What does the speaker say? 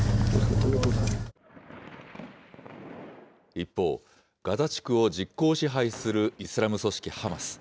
一方、ガザ地区を実効支配するイスラム組織ハマス。